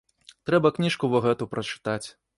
Трэба кніжку во гэту прачытаць.